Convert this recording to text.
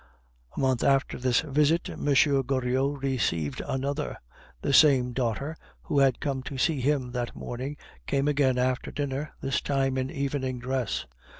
A month after this visit M. Goriot received another. The same daughter who had come to see him that morning came again after dinner, this time in evening dress.